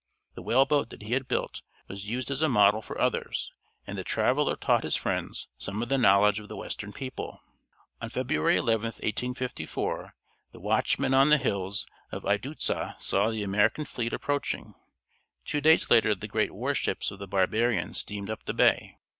The whale boat that he had built was used as a model for others, and the traveler taught his friends some of the knowledge of the Western people. On February 11, 1854, the watchmen on the hills of Idzu saw the American fleet approaching. Two days later the great war ships of the barbarians steamed up the bay.